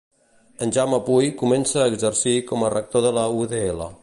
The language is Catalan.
En Jaume Puy comença a exercir com a rector de la UdL.